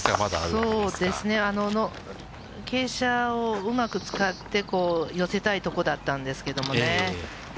そうですね、傾斜をうまく使って、寄せたいところだったんですけどもね。